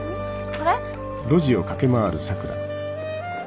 あれ？